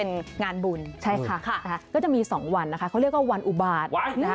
วันอะไรนะวันอุบาต